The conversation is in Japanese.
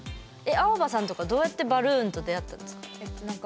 アオバさんとか、どうやってバルーンと出会ったんですか？